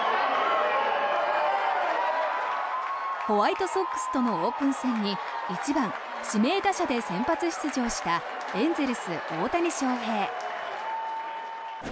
ホワイトソックスとのオープン戦に１番指名打者で先発出場したエンゼルス、大谷翔平。